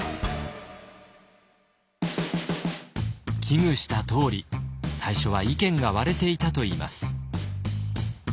危惧したとおり最初は意見が割れていたといいます。